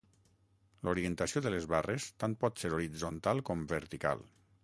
L'orientació de les barres tant pot ser horitzontal com vertical.